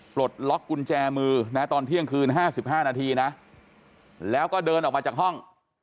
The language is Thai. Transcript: ปลดล็อกกุญแจมือนะตอนเที่ยงคืน๕๕นาทีนะแล้วก็เดินออกมาจากห้อง